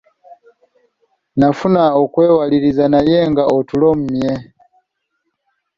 Nafuba okwewaliriza naye nga otulo mmye!